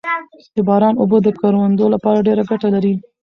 د باران اوبه د کروندو لپاره ډېره ګټه لري